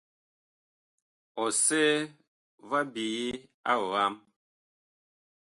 Ɔsɛɛ va ɓyeye a ɔam.